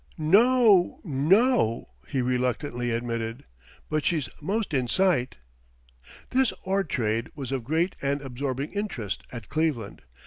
"No o, no o," he reluctantly admitted, "but she's most in sight." This ore trade was of great and absorbing interest at Cleveland.